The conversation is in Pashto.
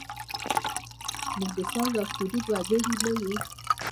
موږ د ساز او سرور وګړي نه یوو.